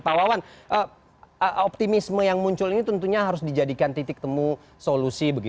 pak wawan optimisme yang muncul ini tentunya harus dijadikan titik temu solusi